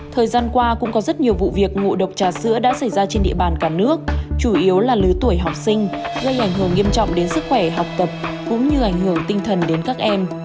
thời gian qua cũng có rất nhiều vụ việc ngụ độc trà sữa đã xảy ra trên địa bàn cả nước chủ yếu là lứa tuổi học sinh gây ảnh hưởng nghiêm trọng đến sức khỏe học tập cũng như ảnh hưởng tinh thần đến các em